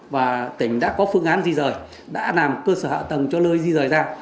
và tỉnh đã có phương án di rời đã làm cơ sở hạ tầng cho lơi di rời ra